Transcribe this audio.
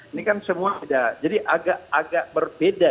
ini kan semua agak berbeda